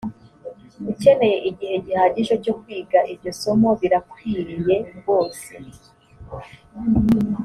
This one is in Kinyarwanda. ukeneye igihe gihagije cyo kwiga iryo somo birakwiriye rwose